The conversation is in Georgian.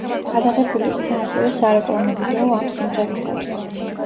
გადაღებული იქნა ასევე სარეკლამო ვიდეო ამ სიმღერისათვის.